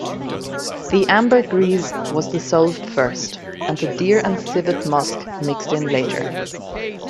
The ambergris was dissolved first and the deer and civet musk mixed in later.